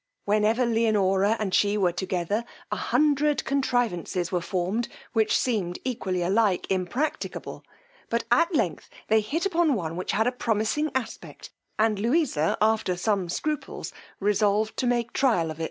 Whenever Leonora and she were together, a hundred contrivances were formed, which seemed equally alike impracticable; but at length they hit upon one which had a promising aspect and Louisa, after some scruples, resolved to make trial of.